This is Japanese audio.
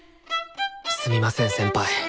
すみません先輩。